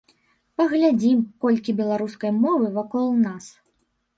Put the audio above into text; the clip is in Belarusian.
Паглядзім, колькі беларускай мовы вакол нас!